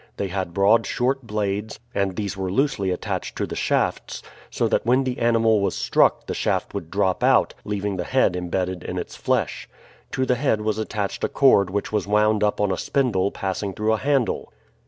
They had broad short blades, and these were loosely attached to the shafts, so that when the animal was struck the shaft would drop out, leaving the head imbedded in its flesh. To the head was attached a cord which was wound up on a spindle passing through a handle.